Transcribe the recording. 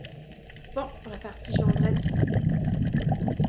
Bon, repartit Jondrette.